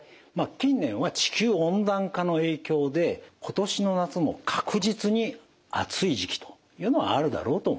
近年は地球温暖化の影響で今年の夏も確実に暑い時期というのはあるだろうと思います。